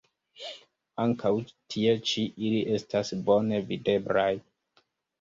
Ankaŭ tie ĉi ili estas bone videblaj.